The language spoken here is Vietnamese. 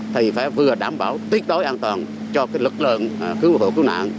thì phải vừa đảm bảo tiết đối an toàn cho lực lượng cứu hộ cứu nạn